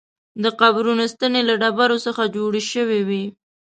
د قبرونو ستنې له ډبرو څخه جوړې شوې وې.